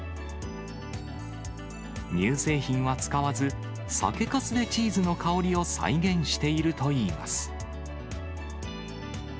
乳製品は使わず、酒かすでチーズの香りを再現しているといいます。